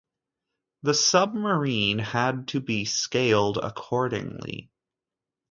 The submarine had to be scaled accordingly.